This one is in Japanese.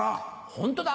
ホントだ。